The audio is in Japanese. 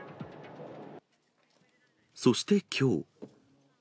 そしてきょう。